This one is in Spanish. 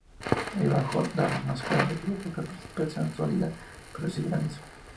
El bajo Dharamsala recibe poca precipitación sólida, pero si granizo.